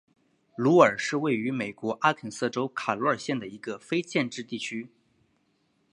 鲁尔是位于美国阿肯色州卡罗尔县的一个非建制地区。